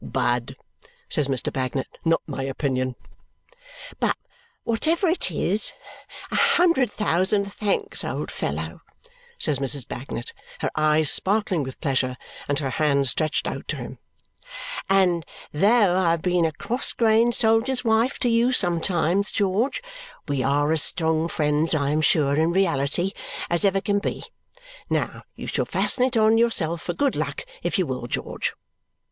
"Bad!" says Mr. Bagnet. "Not my opinion." "But whatever it is, a hundred thousand thanks, old fellow," says Mrs. Bagnet, her eyes sparkling with pleasure and her hand stretched out to him; "and though I have been a crossgrained soldier's wife to you sometimes, George, we are as strong friends, I am sure, in reality, as ever can be. Now you shall fasten it on yourself, for good luck, if you will, George."